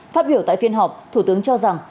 phát biểu tại phiên họp thủ tướng cho rằng